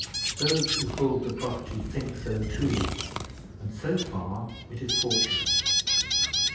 Those who hold the property think so too, and so far it is fortunate.